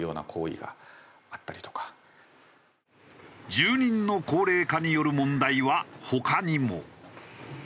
住人の高齢化による問題は他にも。